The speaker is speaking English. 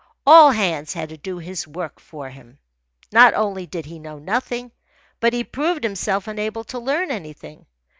All hands had to do his work for him. Not only did he know nothing, but he proved himself unable to learn anything.